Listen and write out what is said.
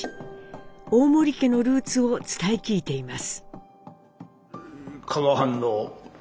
大森家のルーツを伝え聞いています。